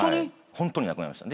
ホントに亡くなりました。